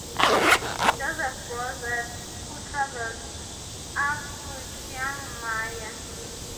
Joseph Broizat, who traveled up to Chiang Mai.